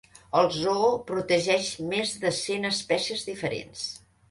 El zoo protegeix més de cent espècies diferents.